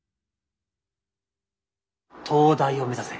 東大を目指せ。